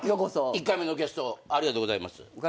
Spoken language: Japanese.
１回目のゲストありがとうございます。